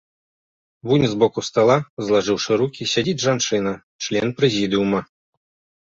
Вунь з боку стала, злажыўшы рукі, сядзіць жанчына, член прэзідыума.